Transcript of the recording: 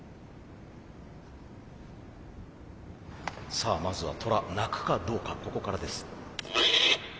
さあまずはトラ鳴くかどうかここからです。